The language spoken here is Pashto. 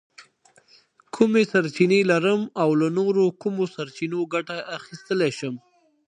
کومې سرچینې لرم او له نورو کومو سرچینو ګټه اخیستلی شم؟